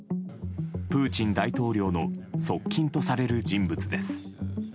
プーチン大統領の側近とされる人物です。